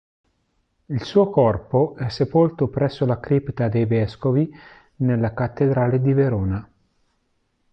Il suo corpo è sepolto presso la Cripta dei Vescovi della cattedrale di Verona.